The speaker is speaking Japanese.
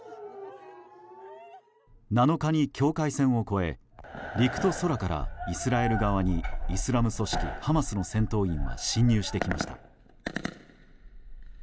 ７日に境界線を越え陸と空からイスラエル側にイスラム組織ハマスの戦闘員は侵入してきました。